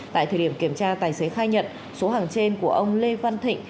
tại thời điểm kiểm tra tài xế khai nhận số hàng trên của ông lê văn thịnh